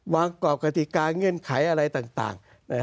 วางกราบกฎิการเงื่อนไขอะไรต่าง